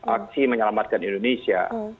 aksi menyelamatkan indonesia